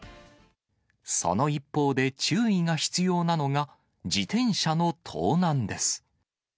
その一方で注意が必要なのが、自転車の盗難です。